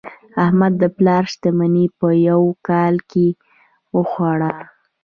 احمد د پلار شتمني په یوه کال کې وخوړه.